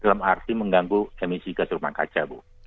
dalam arti mengganggu emisi gas rumah kaca